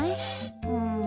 うん。